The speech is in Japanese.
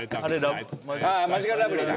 マヂカルラブリーだ！